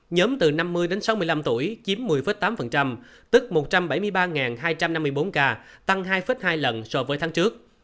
nhóm từ năm mươi đến sáu mươi năm tuổi chiếm một mươi tám tức một trăm bảy mươi ba hai trăm năm mươi bốn ca tăng hai hai lần so với tháng trước